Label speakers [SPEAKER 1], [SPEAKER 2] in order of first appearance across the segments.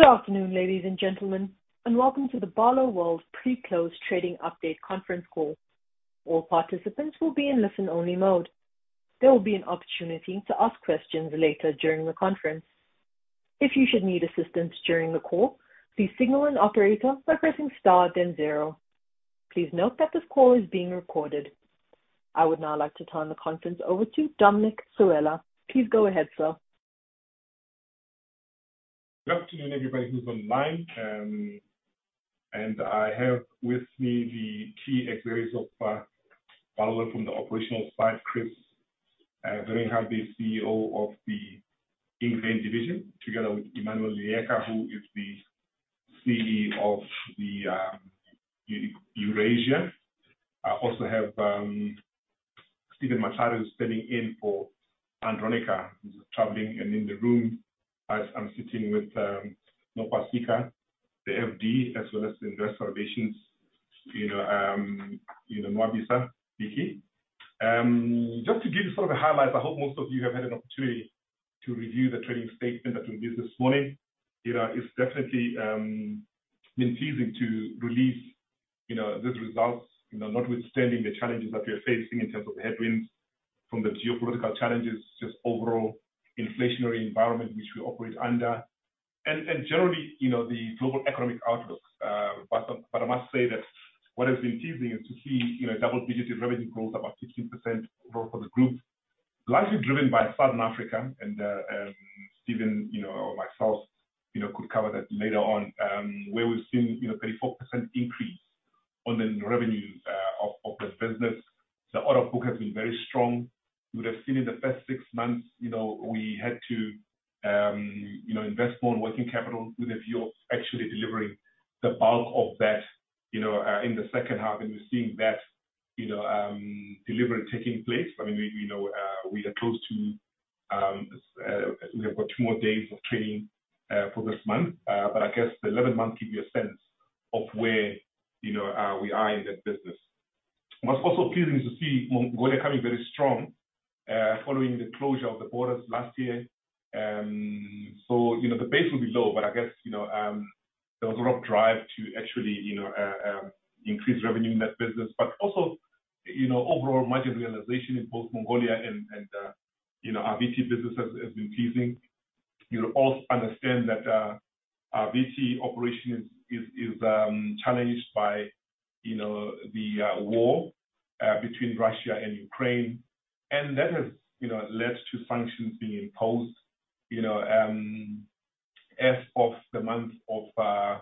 [SPEAKER 1] Good afternoon, ladies and gentlemen, and welcome to the Barloworld pre-close trading update conference call. All participants will be in listen-only mode. There will be an opportunity to ask questions later during the conference. If you should need assistance during the call, please signal an operator by pressing star then zero. Please note that this call is being recorded. I would now like to turn the conference over to Dominic Sewela. Please go ahead, sir.
[SPEAKER 2] Good afternoon, everybody who's online, and I have with me the key areas of Barloworld from the operational side, Chris, very happy CEO of the Ingrain division, together with Emmanuel Leeka, who is the CEO of the Eurasia. I also have Steven [Mataro] stepping in for Andronicca, who's traveling, and in the room, I, I'm sitting with Nopasika, the FD, as well as Investor Relations, you know, you know, Nwabisa Piki. Just to give you sort of a highlight, I hope most of you have had an opportunity to review the trading statement that we did this morning. You know, it's definitely been pleasing to release, you know, those results, you know, notwithstanding the challenges that we are facing in terms of the headwinds from the geopolitical challenges, just overall inflationary environment which we operate under. Generally, you know, the global economic outlook. But I must say that what has been pleasing is to see, you know, double-digit revenue growth, about 15% growth for the group, largely driven by Southern Africa. Steven, you know, or myself, you know, could cover that later on. Where we've seen, you know, 34% increase on the revenues of this business. The order book has been very strong. You would have seen in the first six months, you know, we had to, you know, invest more in working capital with a view of actually delivering the bulk of that, you know, in the second half. And we're seeing that, you know, delivery taking place. I mean, we, we know, we are close to, we have got two more days of trading, for this month. But I guess the eleventh month give you a sense of where, you know, we are in that business. What's also pleasing to see, Mongolia coming very strong, following the closure of the borders last year. So, you know, the base will be low, but I guess, you know, there was a lot of drive to actually, you know, increase revenue in that business, but also, you know, overall margin realization in both Mongolia and, and, our VT business has, has been pleasing. You know, also understand that our VT operation is challenged by, you know, the war between Russia and Ukraine, and that has, you know, led to sanctions being imposed, you know, as of the month of,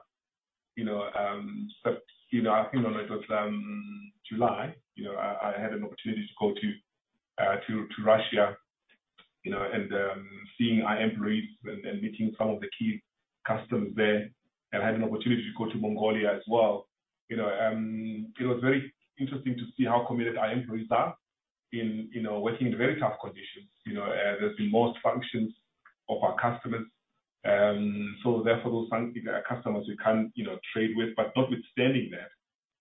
[SPEAKER 2] you know, I think it was July. You know, I had an opportunity to go to Russia, you know, and seeing our employees and meeting some of the key customers there. And I had an opportunity to go to Mongolia as well, you know, it was very interesting to see how committed our employees are in, you know, working in very tough conditions. You know, there's been most functions of our customers, so therefore, those function- customers we can't, you know, trade with. But notwithstanding that,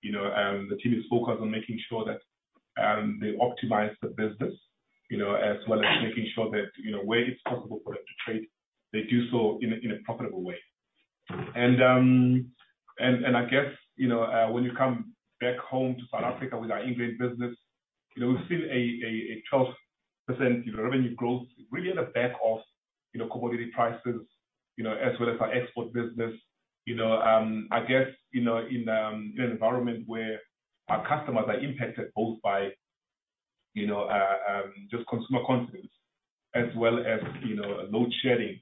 [SPEAKER 2] you know, the team is focused on making sure that they optimize the business, you know, as well as making sure that, you know, where it's possible for them to trade, they do so in a profitable way. And I guess, you know, when you come back home to South Africa with our Ingrain business, you know, we've seen a 12% revenue growth really on the back of, you know, commodity prices, you know, as well as our export business. You know, I guess, you know, in an environment where our customers are impacted both by, you know, just consumer confidence as well as, you know, load shedding,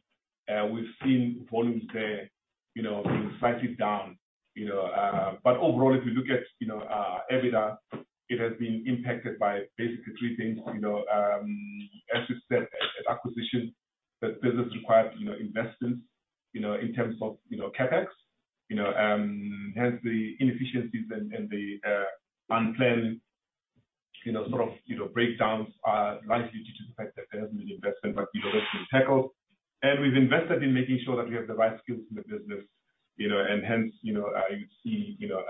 [SPEAKER 2] we've seen volumes there, you know, being slightly down, you know. But overall, if you look at, you know, EBITDA, it has been impacted by basically three things. You know, as you said, acquisition, that business requires, you know, investments, you know, in terms of, you know, CapEx, you know, hence the inefficiencies and the unplanned, you know, sort of, you know, breakdowns are largely due to the fact that there hasn't been investment, but, you know, been tackled. And we've invested in making sure that we have the right skills in the business, you know, and hence, you know, you see, you know,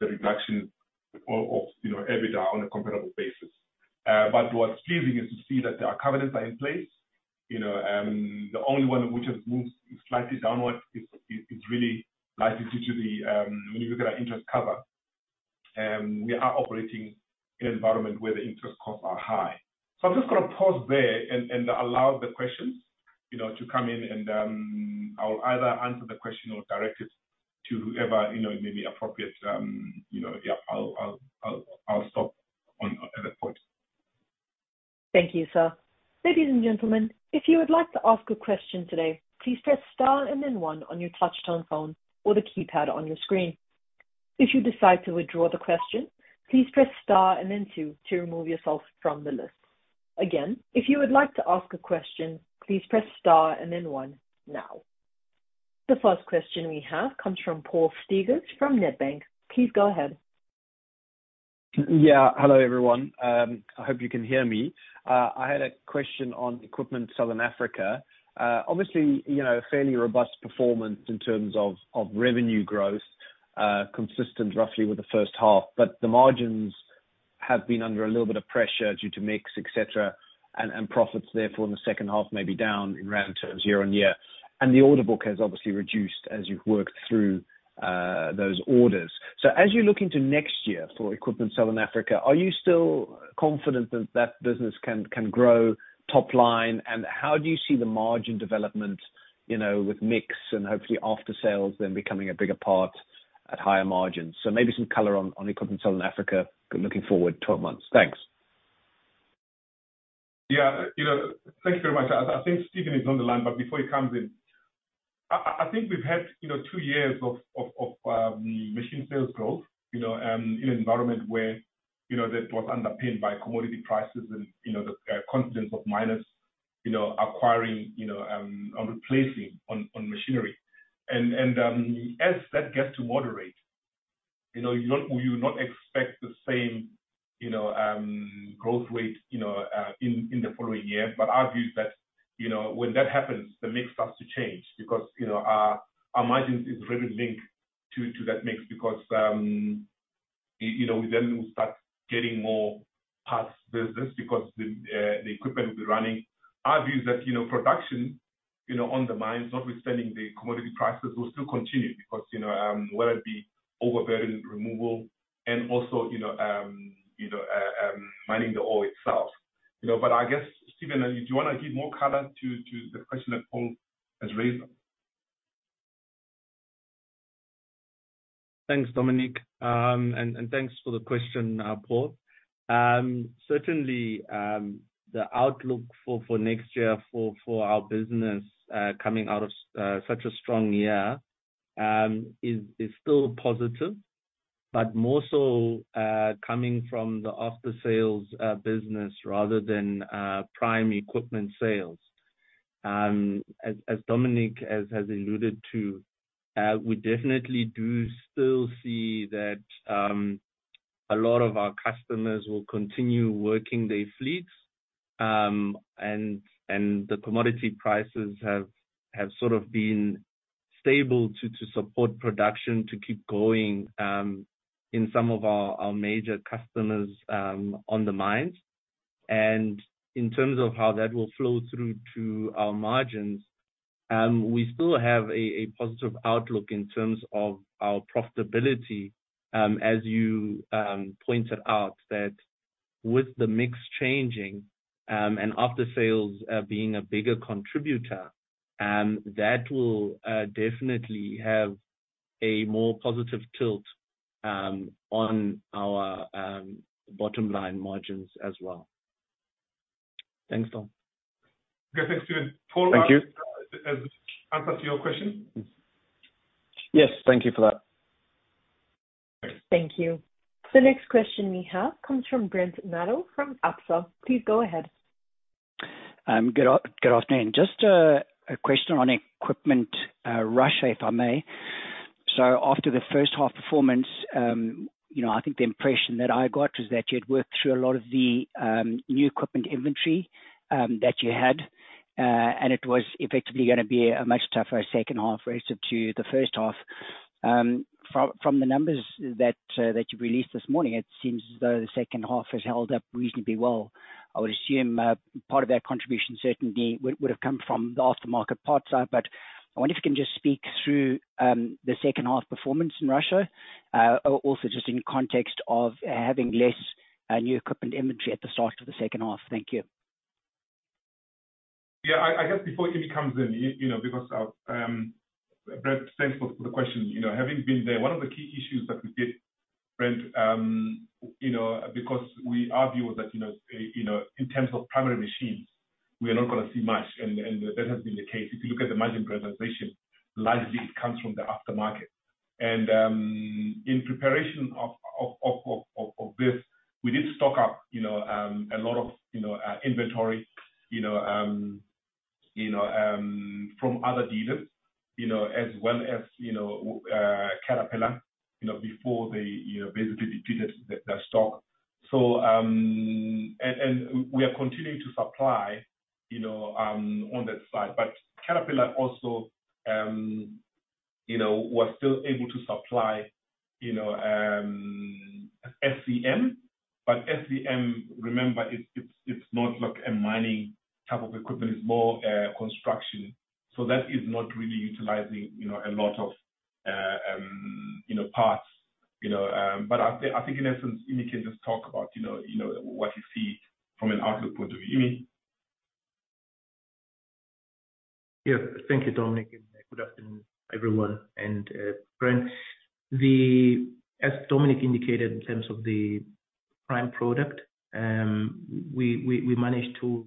[SPEAKER 2] the reduction of you know EBITDA on a comparable basis. But what's pleasing is to see that our covenants are in place, you know, the only one which has moved slightly downward is really likely due to the, when you look at our interest cover, we are operating in an environment where the interest costs are high. So I'm just gonna pause there and allow the questions, you know, to come in, and I'll either answer the question or direct it to whoever, you know, may be appropriate. You know, yeah, I'll stop at that point.
[SPEAKER 1] Thank you, sir. Ladies and gentlemen, if you would like to ask a question today, please press star and then one on your touchtone phone or the keypad on your screen. If you decide to withdraw the question, please press star and then two to remove yourself from the list. Again, if you would like to ask a question, please press star and then one now. The first question we have comes from Paul Steegers from Nedbank. Please go ahead.
[SPEAKER 3] Yeah. Hello, everyone. I hope you can hear me. I had a question on Equipment Southern Africa. Obviously, you know, fairly robust performance in terms of revenue growth, consistent roughly with the first half, but the margins have been under a little bit of pressure due to mix, et cetera, and profits therefore, in the second half may be down in round terms, year-on-year, and the order book has obviously reduced as you've worked through those orders. So as you look into next year for Equipment Southern Africa, are you still confident that that business can grow top line? And how do you see the margin development, you know, with mix and hopefully after sales then becoming a bigger part at higher margins? So maybe some color on Equipment Southern Africa, but looking forward 12 months. Thanks.
[SPEAKER 2] Yeah, you know, thank you very much. I think Steven is on the line, but before he comes in, I think we've had, you know, two years of machine sales growth, you know, in an environment where, you know, that was underpinned by commodity prices and, you know, the confidence of miners, you know, acquiring, you know, or replacing on machinery. And as that gets to moderate, you know, you not -- we would not expect the same, you know, growth rate, you know, in the following year. But our view is that, you know, when that happens, the mix starts to change because, you know, our, our margin is really linked to, to that mix because, you, you know, we then will start getting more parts business because the, the equipment will be running. Our view is that, you know, production, you know, on the mines, notwithstanding the commodity prices, will still continue because, you know, whether it be overburden removal and also, you know, you know, mining the ore itself. You know, but I guess, Steven, do you wanna give more color to, to the question that Paul has raised?
[SPEAKER 4] Thanks, Dominic, and thanks for the question, Paul. Certainly, the outlook for next year for our business, coming out of such a strong year, is still positive. But more so, coming from the aftersales business rather than prime equipment sales. As Dominic has alluded to, we definitely do still see that a lot of our customers will continue working their fleets. And the commodity prices have sort of been stable to support production, to keep going, in some of our major customers, on the mines. In terms of how that will flow through to our margins, we still have a positive outlook in terms of our profitability, as you pointed out, that with the mix changing, and aftersales being a bigger contributor, that will definitely have a more positive tilt, on our bottom line margins as well. Thanks, Dom.
[SPEAKER 2] Okay. Thanks, Steven.
[SPEAKER 3] Thank you.
[SPEAKER 2] Paul, does that answer your question?
[SPEAKER 3] Yes. Thank you for that.
[SPEAKER 2] Thanks.
[SPEAKER 1] Thank you. The next question we have comes from Brent Madel from Absa. Please go ahead.
[SPEAKER 5] Good afternoon. Just a question on equipment Russia, if I may. So after the first half performance, you know, I think the impression that I got was that you had worked through a lot of the new equipment inventory that you had. And it was effectively gonna be a much tougher second half versus to the first half. From the numbers that you released this morning, it seems as though the second half has held up reasonably well. I would assume part of that contribution certainly would have come from the aftermarket parts side. But I wonder if you can just speak through the second half performance in Russia, also just in context of having less new equipment inventory at the start of the second half. Thank you.
[SPEAKER 2] Yeah, I guess before Emmy comes in, you know, because, Brent, thanks for the question. You know, having been there, one of the key issues that we did, Brent, you know, because we argue that, you know, in terms of primary machines, we are not gonna see much, and that has been the case. If you look at the margin presentation, largely it comes from the aftermarket. And, in preparation of this, we did stock up, you know, a lot of inventory, you know, from other dealers, you know, as well as Caterpillar, you know, before they basically depleted the stock. So... And we are continuing to supply, you know, on that side. But Caterpillar also, you know, was still able to supply, you know, SEM. But SEM, remember, it's not like a mining type of equipment, it's more construction. So that is not really utilizing, you know, a lot of you know, parts, you know. But I think in essence, Emmy can just talk about, you know, what you see from an outlook point of view. Emmy?
[SPEAKER 6] Yeah. Thank you, Dominic, and good afternoon, everyone, and Brent. As Dominic indicated, in terms of the prime product, we managed to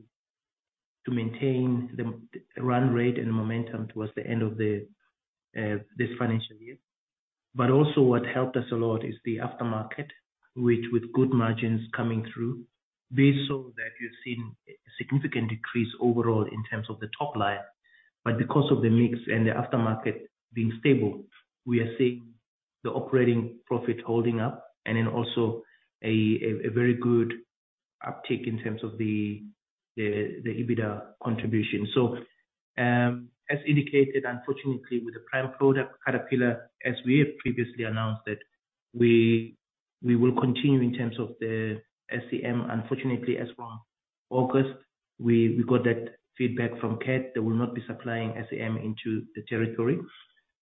[SPEAKER 6] maintain the run rate and the momentum towards the end of this financial year. But also what helped us a lot is the aftermarket, which with good margins coming through, we saw that you've seen a significant decrease overall in terms of the top line. But because of the mix and the aftermarket being stable, we are seeing the operating profit holding up and then also a very good-... uptick in terms of the EBITDA contribution. So, as indicated, unfortunately, with the prime product Caterpillar, as we have previously announced that we will continue in terms of the SEM. Unfortunately, as from August, we got that feedback from Cat. They will not be supplying SEM into the territory.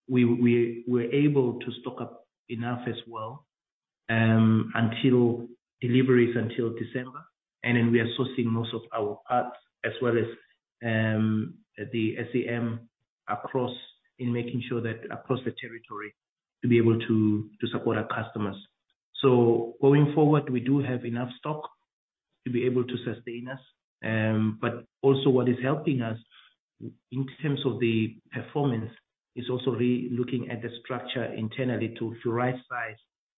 [SPEAKER 6] We are able to stock up enough as well until deliveries until December, and then we are sourcing most of our parts as well as the SEM across, in making sure that across the territory to be able to support our customers. So going forward, we do have enough stock to be able to sustain us. But also what is helping us in terms of the performance, is also re-looking at the structure internally to right size,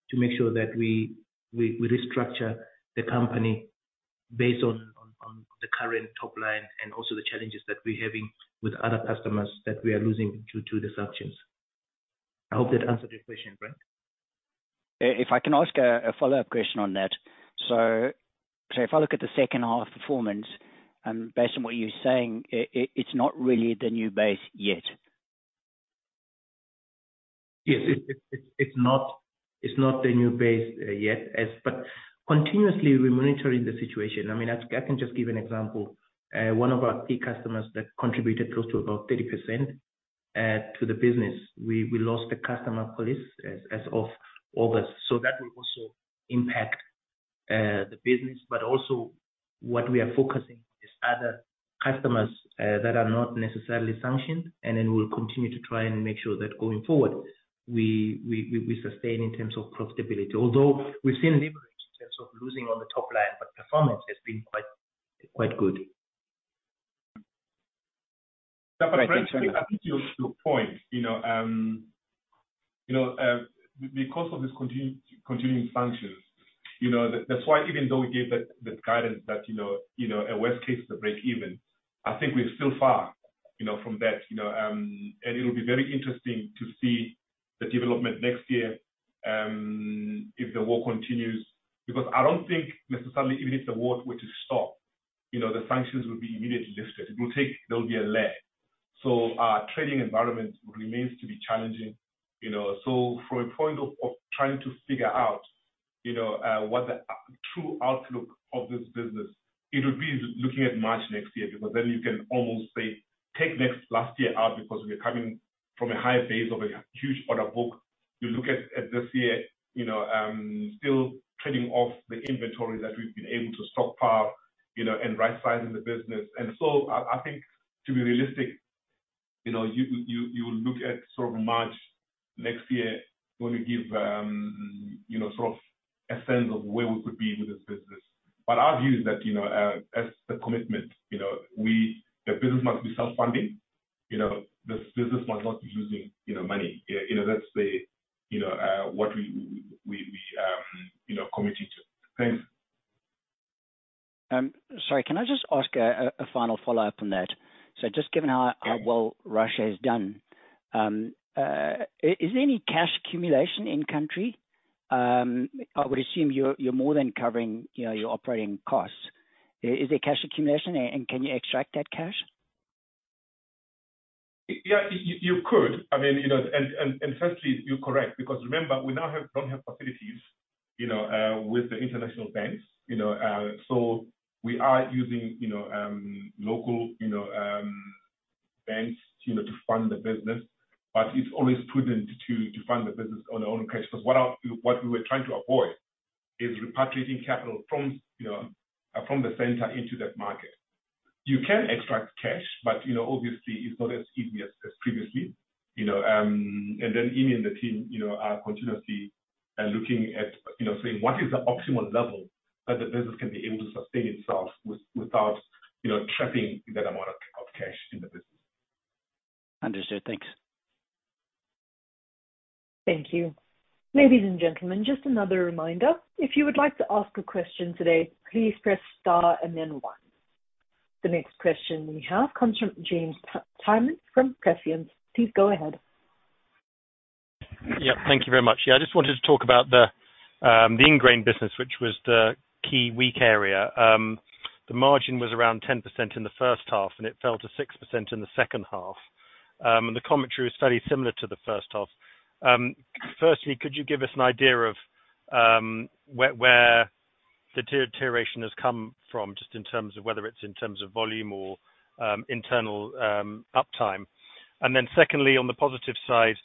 [SPEAKER 6] to make sure that we restructure the company based on the current top line, and also the challenges that we're having with other customers that we are losing due to the sanctions. I hope that answered your question, Brent.
[SPEAKER 5] If I can ask a follow-up question on that. So, if I look at the second half performance, based on what you're saying, it's not really the new base yet?
[SPEAKER 6] Yes, it's not the new base yet, but continuously we're monitoring the situation. I mean, I can just give an example. One of our key customers that contributed close to about 30% to the business, we lost the customer base as of August. So that will also impact the business, but also what we are focusing on is other customers that are not necessarily sanctioned, and then we'll continue to try and make sure that going forward, we sustain in terms of profitability. Although we've seen leverage in terms of losing on the top line, but performance has been quite good.
[SPEAKER 5] Thank you.
[SPEAKER 2] But I think to your point, you know, because of this continuing sanctions, you know, that's why even though we gave that, that guidance that, you know, at worst case, it's a breakeven, I think we're still far, you know, from that, you know... And it'll be very interesting to see the development next year, if the war continues. Because I don't think necessarily even if the war were to stop, you know, the sanctions will be immediately lifted. It will take, there'll be a lag. So, our trading environment remains to be challenging, you know. So from a point of, of trying to figure out, you know, what the true outlook of this business, it'll be looking at March next year, because then you can almost say, take next last year out, because we're coming from a high base of a huge order book. You look at, at this year, you know, still trading off the inventory that we've been able to stock up, you know, and right sizing the business. And so I, I think to be realistic, you know, you, you, you look at sort of March next year, gonna give, you know, sort of a sense of where we could be with this business. But our view is that, you know, as the commitment, you know, we, the business must be self-funding. You know, the business must not be losing, you know, money. You know, that's the, you know, what we, you know, committed to. Thanks.
[SPEAKER 5] Sorry, can I just ask a final follow-up on that? So just given how well Russia has done, is there any cash accumulation in country? I would assume you're more than covering, you know, your operating costs. Is there cash accumulation, and can you extract that cash?
[SPEAKER 2] Yeah, you could. I mean, you know, and firstly, you're correct, because remember, we now don't have facilities, you know, with the international banks, you know, so we are using, you know, local, you know, banks, you know, to fund the business. But it's always prudent to fund the business on our own cash, because what we were trying to avoid is repatriating capital from, you know, from the center into that market. You can extract cash, but, you know, obviously, it's not as easy as previously, you know, and then Imi and the team, you know, are continuously looking at, you know, saying, "What is the optimal level that the business can be able to sustain itself with without, you know, trapping that amount of cash in the business?
[SPEAKER 5] Understood. Thanks.
[SPEAKER 1] Thank you. Ladies and gentlemen, just another reminder, if you would like to ask a question today, please press star and then one. The next question we have comes from James [Gillman] from Prescient. Please go ahead.
[SPEAKER 7] Yeah. Thank you very much. Yeah, I just wanted to talk about the Ingrain business, which was the key weak area. The margin was around 10% in the first half, and it fell to 6% in the second half. And the commentary was fairly similar to the first half. Firstly, could you give us an idea of where the deterioration has come from, just in terms of whether it's in terms of volume or internal uptime? And then secondly, on the positive side,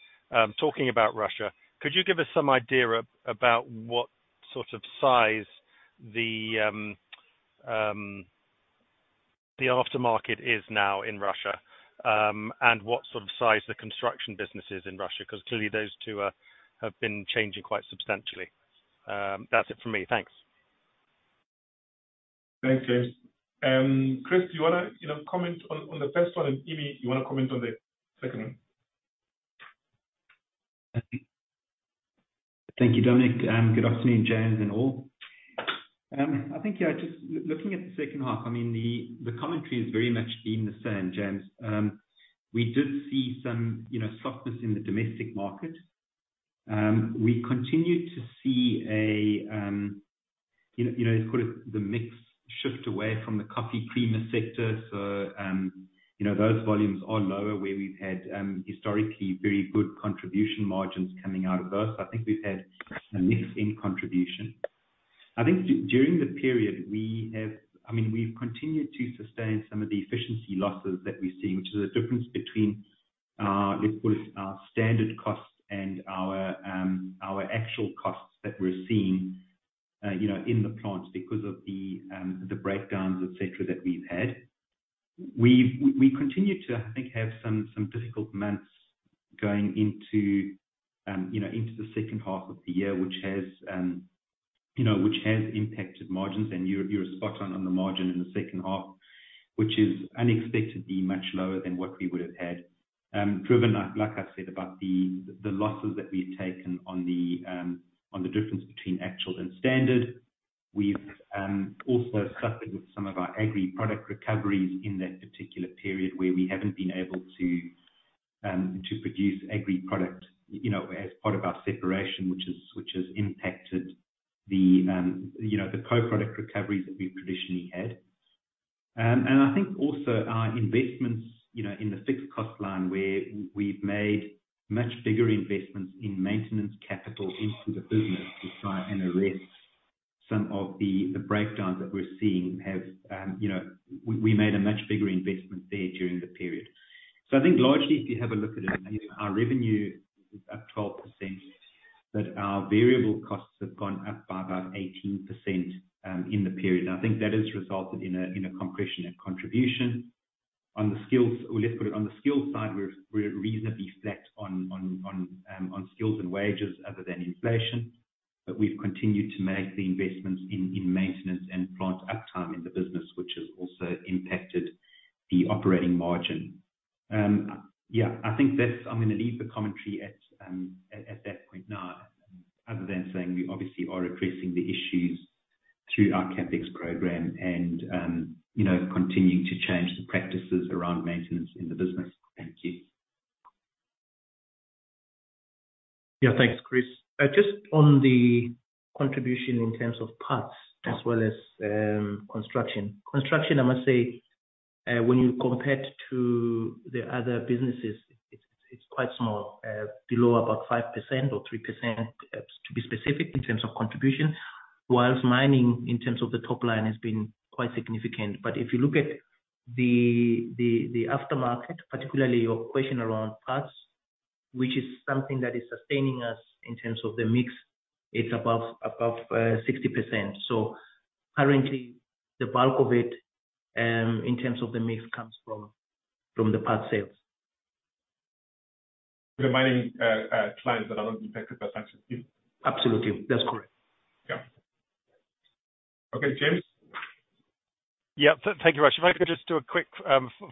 [SPEAKER 7] talking about Russia, could you give us some idea about what sort of size the aftermarket is now in Russia? And what sort of size the construction business is in Russia, because clearly those two have been changing quite substantially. That's it for me. Thanks.
[SPEAKER 2] Thanks, James. Chris, do you wanna, you know, comment on the first one? Emmy, you wanna comment on the second one?
[SPEAKER 8] Thank you, Dominic. Good afternoon, James and all. I think, yeah, just looking at the second half, I mean, the commentary is very much been the same, James. We did see some, you know, softness in the domestic market.... We continue to see a, you know, you know, call it the mix shift away from the coffee creamer sector. So, you know, those volumes are lower, where we've had historically very good contribution margins coming out of those. I think we've had a mix in contribution. I think during the period we have. I mean, we've continued to sustain some of the efficiency losses that we've seen, which is a difference between, let's put it, our standard costs and our actual costs that we're seeing, you know, in the plants because of the breakdowns, et cetera, that we've had. We continue to, I think, have some difficult months going into, you know, into the second half of the year, which has, you know, which has impacted margins, and you're spot on, on the margin in the second half, which is unexpectedly much lower than what we would've had. Driven, like I said, about the losses that we've taken on the difference between actual and standard. We've also suffered with some of our agri product recoveries in that particular period, where we haven't been able to produce agri product, you know, as part of our separation, which has impacted the, you know, the co-product recoveries that we've traditionally had. And I think also our investments, you know, in the fixed cost line, where we've made much bigger investments in maintenance capital into the business to try and arrest some of the breakdowns that we're seeing have. You know, we made a much bigger investment there during the period. So I think largely, if you have a look at it, our revenue is up 12%, but our variable costs have gone up by about 18% in the period. I think that has resulted in a compression in contribution. Or let's put it, on the skills side, we're reasonably flat on skills and wages other than inflation, but we've continued to make the investments in maintenance and plant uptime in the business, which has also impacted the operating margin. Yeah, I think that's. I'm gonna leave the commentary at that point now, other than saying we obviously are addressing the issues through our CapEx program and, you know, continuing to change the practices around maintenance in the business. Thank you.
[SPEAKER 6] Yeah. Thanks, Chris. Just on the contribution in terms of parts as well as, construction. Construction, I must say, when you compare it to the other businesses, it's, it's quite small, below about 5% or 3%, to be specific in terms of contribution, whilst mining, in terms of the top line, has been quite significant. But if you look at the aftermarket, particularly your question around parts, which is something that is sustaining us in terms of the mix, it's above, above, 60%. So currently, the bulk of it, in terms of the mix, comes from, from the parts sales.
[SPEAKER 8] The mining clients that are not impacted by sanctions?
[SPEAKER 6] Absolutely. That's correct.
[SPEAKER 8] Yeah. Okay, James?
[SPEAKER 7] Yeah. Thank you, Raj. If I could just do a quick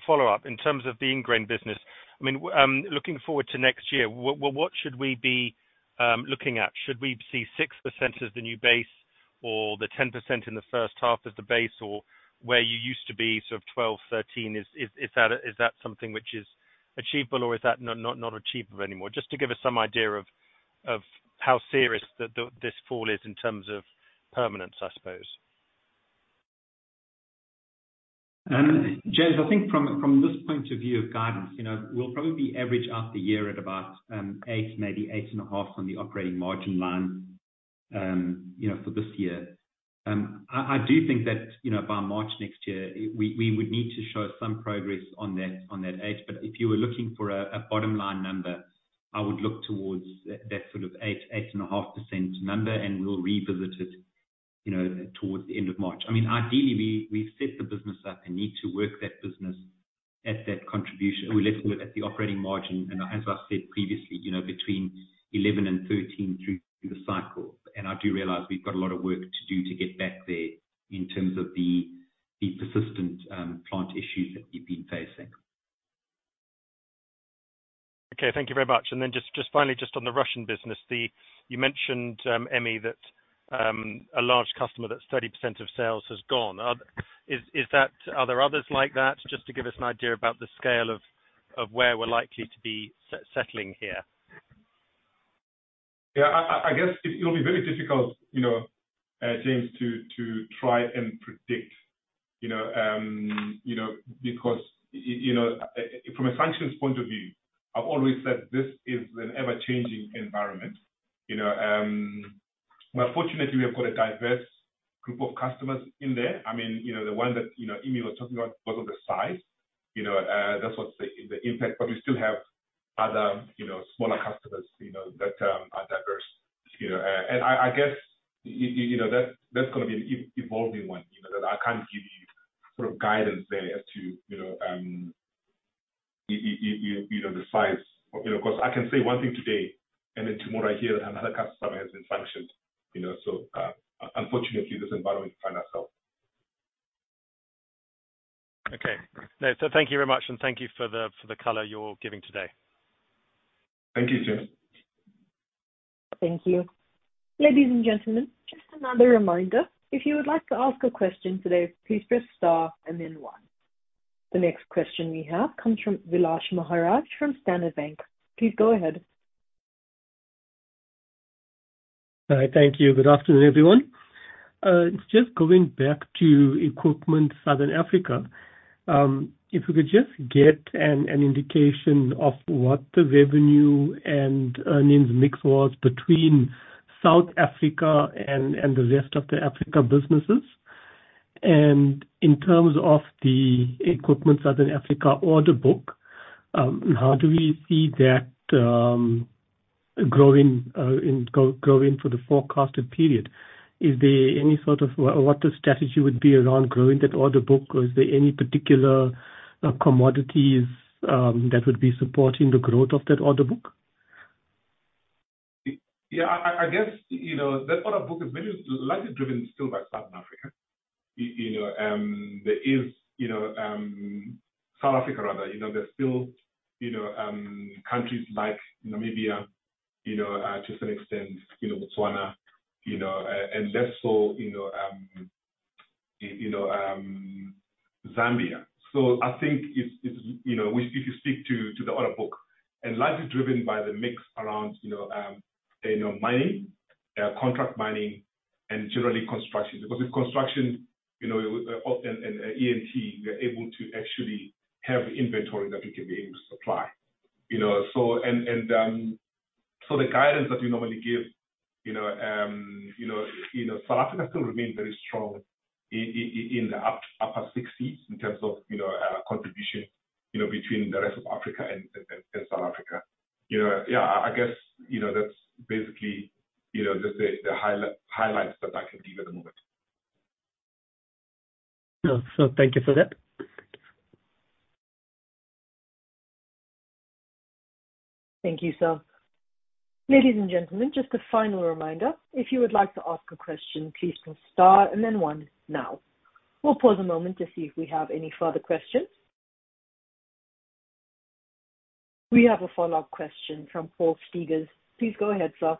[SPEAKER 7] follow-up in terms of the Ingrain business. I mean, looking forward to next year, what should we be looking at? Should we see 6% as the new base or the 10% in the first half as the base, or where you used to be, sort of 12, 13? Is that something which is achievable or is that not achievable anymore? Just to give us some idea of how serious the this fall is in terms of permanence, I suppose.
[SPEAKER 8] James, I think from this point of view of guidance, you know, we'll probably average out the year at about 8%, maybe 8.5% on the operating margin line, you know, for this year. I do think that, you know, by March next year, we would need to show some progress on that, on that 8%. But if you were looking for a bottom line number, I would look towards that sort of 8%-8.5% number, and we'll revisit it, you know, towards the end of March. I mean, ideally, we set the business up and need to work that business at that contribution. We look at the operating margin, and as I said previously, you know, between 11% and 13% through the cycle. I do realize we've got a lot of work to do to get back there in terms of the persistent plant issues that we've been facing.
[SPEAKER 7] Okay. Thank you very much. And then just, just finally, just on the Russian business, the... You mentioned, Emmy, that a large customer, that's 30% of sales, has gone. Is that-- Are there others like that? Just to give us an idea about the scale of where we're likely to be settling here.
[SPEAKER 2] Yeah, I guess it'll be very difficult, you know, James, to try and predict, you know, because, you know, from a sanctions point of view, I've always said this is an ever-changing environment, you know. But fortunately, we have got a diverse group of customers in there. I mean, you know, the one that, you know, Emmy was talking about was of the size, you know, that's what's the impact. But we still have other, you know, smaller customers, you know, that are diverse, you know. And I guess, you know, that's gonna be an evolving one, you know, that I can't give you sort of guidance there as to, you know, you know, the size. You know, because I can say one thing today, and then tomorrow I hear another customer has been sanctioned, you know, so, unfortunately, this environment we find ourselves.
[SPEAKER 7] Okay. So thank you very much, and thank you for the, for the color you're giving today.
[SPEAKER 2] Thank you, James.
[SPEAKER 1] Thank you. Ladies and gentlemen, just another reminder, if you would like to ask a question today, please press star and then one. The next question we have comes from Vilash Maharajh from Standard Bank. Please go ahead.
[SPEAKER 9] Hi. Thank you. Good afternoon, everyone. Just going back to Equipment Southern Africa, if we could just get an indication of what the revenue and earnings mix was between South Africa and the rest of the Africa businesses. And in terms of the Equipment Southern Africa order book, how do we see that growing for the forecasted period? Is there any sort of what the strategy would be around growing that order book? Or is there any particular commodities that would be supporting the growth of that order book?
[SPEAKER 2] Yeah, I guess, you know, that order book is very largely driven still by Southern Africa. You know, there is, you know, South Africa, rather, you know, there's still, you know, countries like Namibia, you know, to some extent, you know, Botswana, you know, and less so, you know, Zambia. So I think it's, you know, if you stick to the order book, and largely driven by the mix around, you know, mining, contract mining, and generally construction. Because with construction, you know, and E&T, we are able to actually have inventory that we can be able to supply. You know, so... So the guidance that we normally give, you know, you know, you know, South Africa still remains very strong in the upper 60s, in terms of, you know, contribution, you know, between the rest of Africa and South Africa. You know, yeah, I guess, you know, that's basically, you know, just the highlights that I can give at the moment.
[SPEAKER 9] Sure. So thank you for that.
[SPEAKER 1] Thank you, sir. Ladies and gentlemen, just a final reminder, if you would like to ask a question, please star and then one now. We'll pause a moment to see if we have any further questions. We have a follow-up question from Paul Steegers. Please go ahead, sir.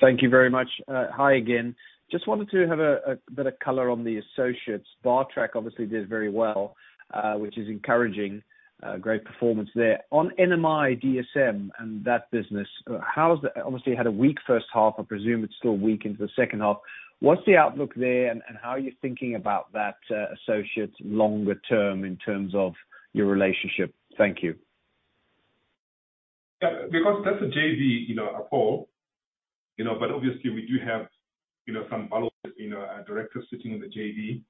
[SPEAKER 3] Thank you very much. Hi again. Just wanted to have a better color on the associates. Bartrac obviously did very well, which is encouraging, great performance there. On NMI Durban South Motors and that business, how's the—obviously, had a weak first half. I presume it's still weak into the second half. What's the outlook there, and how are you thinking about that, associates longer term in terms of your relationship? Thank you.
[SPEAKER 2] Yeah, because that's a JV, you know, Paul, you know, but obviously we do have, you know, some follow, you know, directors sitting on the JV.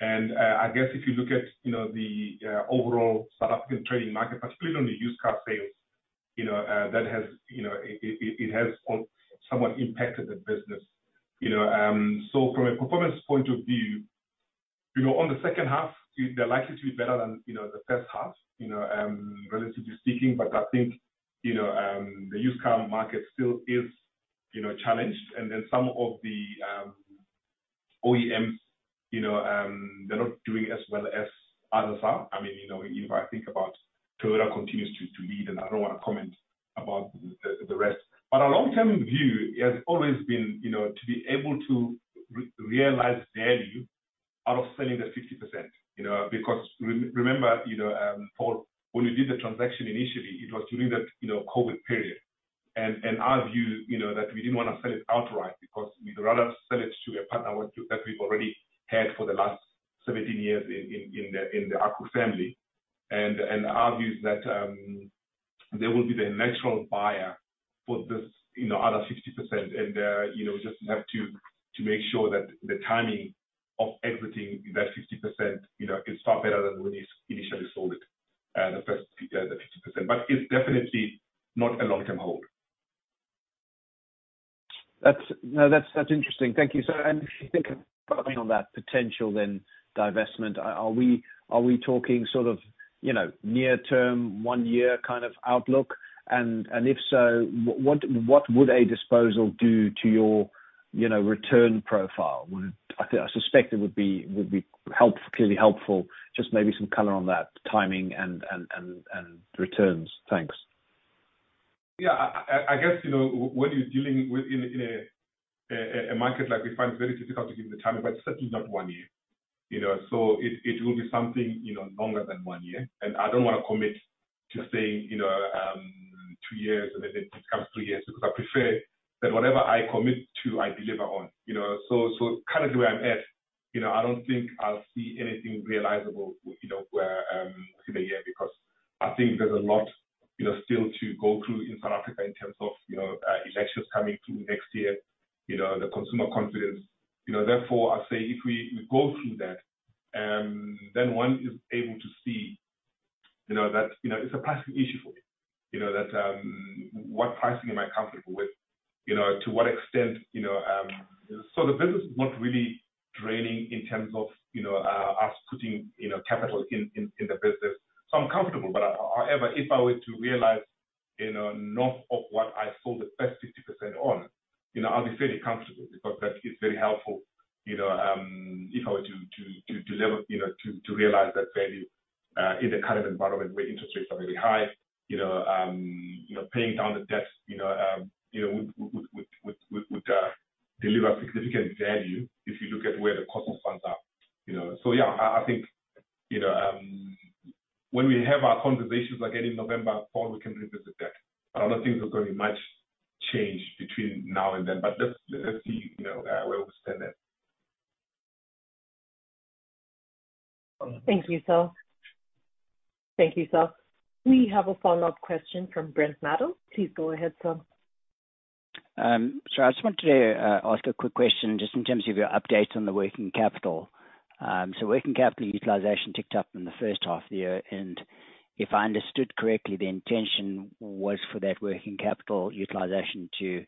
[SPEAKER 2] And, I guess if you look at, you know, the, overall South African trading market, particularly on the used car sales, you know, that has, you know, it has somewhat impacted the business, you know. So from a performance point of view, you know, on the second half, they're likely to be better than, you know, the first half, you know, relatively speaking. But I think, you know, the used car market still is, you know, challenged. And then some of the, OEMs, you know, they're not doing as well as others are. I mean, you know, if I think about Toyota continues to lead, and I don't wanna comment about the rest. But our long-term view has always been, you know, to be able to realize value out of selling the 50%, you know. Because remember, you know, Paul, when we did the transaction initially, it was during that, you know, COVID period. And our view, you know, that we didn't wanna sell it outright because we'd rather sell it to a partner with that we've already had for the last 17 years in the Akoo family. And our view is that they will be the natural buyer for this, you know, other 50%. You know, just have to make sure that the timing of exiting that 50%, you know, is far better than when we initially sold it, the first 50%. But it's definitely not a long-term hold.
[SPEAKER 3] That's no, that's interesting. Thank you. So, if you think on that potential then divestment, are we talking sort of, you know, near term, one year kind of outlook? And if so, what would a disposal do to your, you know, return profile? Would it... I suspect it would be helpful, clearly helpful. Just maybe some color on that timing and returns. Thanks.
[SPEAKER 2] Yeah. I guess, you know, when you're dealing within a market like we find it very difficult to give the timing, but certainly not one year, you know? So it will be something, you know, longer than one year. And I don't wanna commit to saying, you know, two years, and then it becomes two years. Because I prefer that whatever I commit to, I deliver on, you know. So currently where I'm at, you know, I don't think I'll see anything realizable, you know, where in a year, because I think there's a lot, you know, still to go through in South Africa in terms of, you know, elections coming through next year, you know, the consumer confidence. You know, therefore, I say if we go through that, then one is able to see, you know, that, you know, it's a pricing issue for me. You know, that, what pricing am I comfortable with? You know, to what extent, you know. So the business is not really draining in terms of, you know, us putting, you know, capital in the business. So I'm comfortable, but however, if I were to realize, you know, north of what I sold the first 50% on, you know, I'll be fairly comfortable because that is very helpful. You know, if I were to deliver, you know, to realize that value, in the current environment where interest rates are really high, you know, paying down the debt, you know, would deliver significant value if you look at where the cost of funds are, you know? So, yeah, I think, you know, when we have our conversations again in November, fall, we can revisit that. I don't think there's going to be much change between now and then, but let's see, you know, where we stand then.
[SPEAKER 1] Thank you, sir. Thank you, sir. We have a follow-up question from Brent Madel. Please go ahead, sir.
[SPEAKER 5] So I just wanted to ask a quick question just in terms of your update on the working capital. So working capital utilization ticked up in the first half of the year, and if I understood correctly, the intention was for that working capital utilization to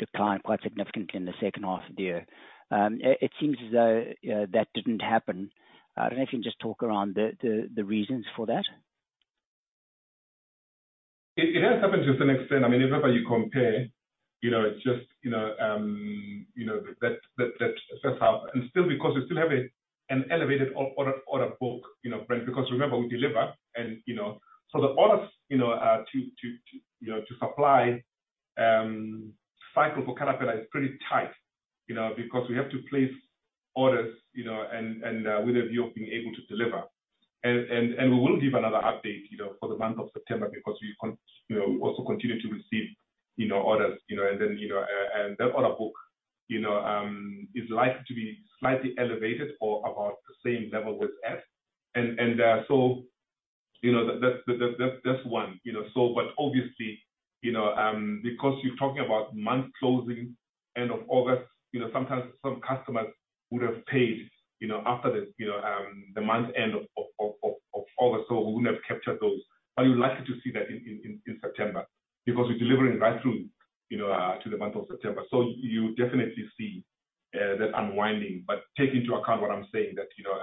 [SPEAKER 5] decline quite significantly in the second half of the year. It seems as though that didn't happen. I don't know if you can just talk around the reasons for that.
[SPEAKER 2] It has happened to some extent. I mean, remember, you compare, you know, it's just, you know, that sets out and still, because we still have an elevated order book, you know, Brent. Because remember, we deliver and, you know, so the orders, you know, to supply cycle for Caterpillar is pretty tight, you know, because we have to place orders, you know, and with a view of being able to deliver. And we will give another update, you know, for the month of September, because we continue, you know, we also continue to receive, you know, orders, you know, and then, you know, and that order book, you know, is likely to be slightly elevated or about the same level with F. So, you know, that's one. You know, so but obviously, you know, because you're talking about month closing, end of August, you know, sometimes some customers would have paid, you know, after the, you know, the month end of August, so we wouldn't have captured those. But you're likely to see that in September, because we're delivering right through, you know, to the month of September. So you definitely see that unwinding. But take into account what I'm saying, that, you know,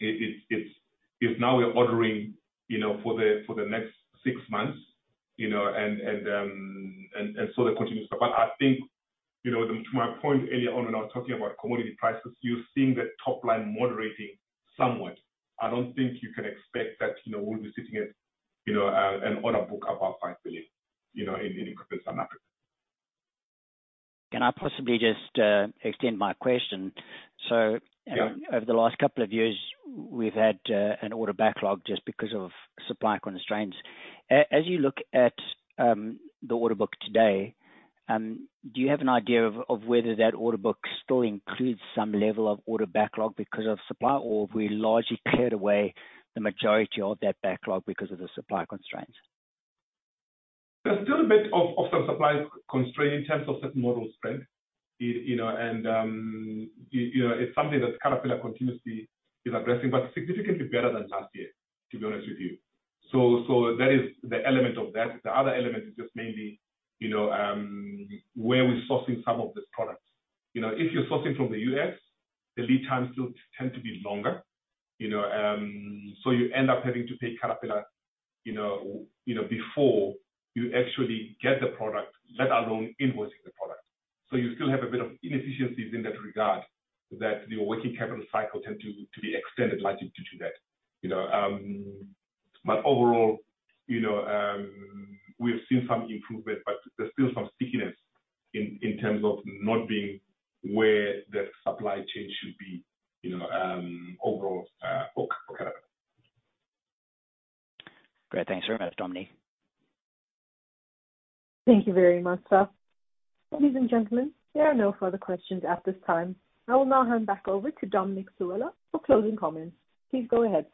[SPEAKER 2] it's if now we're ordering, you know, for the next six months, you know, and so that continues. But I think, you know, to my point earlier on when I was talking about commodity prices, you're seeing that top line moderating somewhat. I don't think you can expect that, you know, we'll be sitting at, you know, an order book about 5 billion, you know, in Southern Africa.
[SPEAKER 5] Can I possibly just extend my question? So-
[SPEAKER 2] Yeah.
[SPEAKER 5] Over the last couple of years, we've had an order backlog just because of supply constraints. As you look at the order book today, do you have an idea of whether that order book still includes some level of order backlog because of supply, or have we largely cleared away the majority of that backlog because of the supply constraints?
[SPEAKER 2] There's still a bit of some supply constraint in terms of certain models, Brent. You know, and you know, it's something that Caterpillar continuously is addressing, but significantly better than last year, to be honest with you. So that is the element of that. The other element is just mainly, you know, where we're sourcing some of these products. You know, if you're sourcing from the U.S., the lead times still tend to be longer, you know. So you end up having to pay Caterpillar, you know, before you actually get the product, let alone invoicing the product. So you still have a bit of inefficiencies in that regard, that your working capital cycle tend to be extended largely due to that, you know. But overall, you know, we've seen some improvement, but there's still some stickiness in terms of not being where the supply chain should be, you know, overall, for Caterpillar.
[SPEAKER 5] Great. Thanks very much, Dominic.
[SPEAKER 1] Thank you very much, sir. Ladies and gentlemen, there are no further questions at this time. I will now hand back over to Dominic Sewela for closing comments. Please go ahead.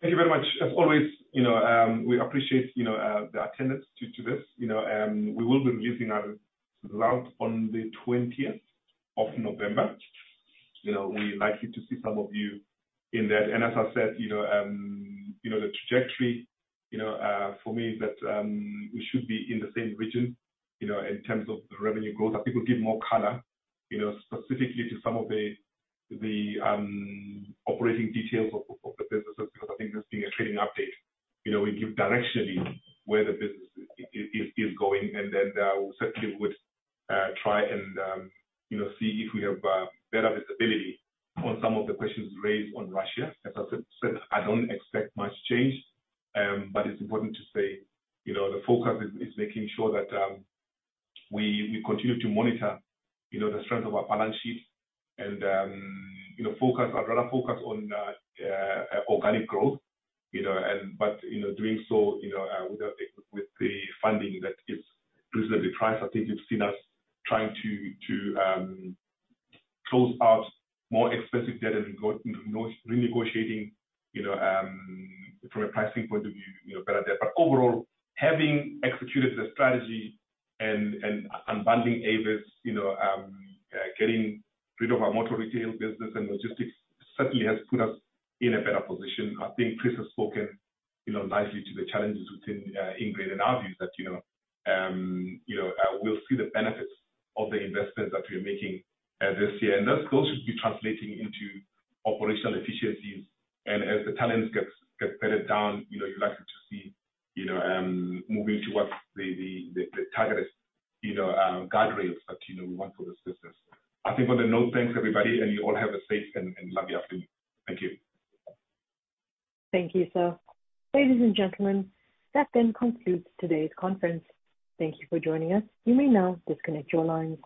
[SPEAKER 2] Thank you very much. As always, you know, we appreciate, you know, the attendance to this, you know, we will be releasing our results on the twentieth of November. You know, we're likely to see some of you in that. And as I said, you know, you know, the trajectory, you know, for me is that, we should be in the same region, you know, in terms of the revenue growth, but people give more color, you know, specifically to some of the, the operating details of the business. Because I think this being a trading update, you know, we give directionally where the business is, is, is going, and then, we certainly would try and, you know, see if we have better visibility on some of the questions raised on Russia. As I said, I don't expect much change, but it's important to say, you know, the focus is making sure that we continue to monitor, you know, the strength of our balance sheet